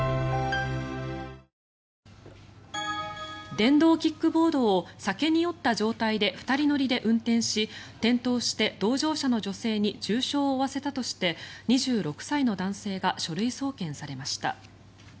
電動キックボードを酒に酔った状態で２人乗りで運転し転倒して、同乗者の女性に重傷を負わせたとして２６歳の男性が書類送検されました。